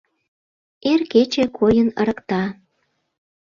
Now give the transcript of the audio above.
Эр кече койын ырыкта.